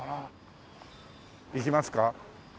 行きますか？